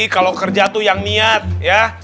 kalau kerja tuh yang niat ya